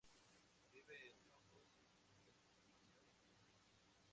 Vive en troncos en descomposición en climas lluviosos.